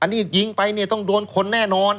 อันนี้ยิงไปต้องโดนคนแน่นอน